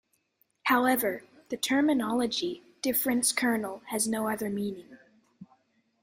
However, the terminology "difference kernel" has no other meaning.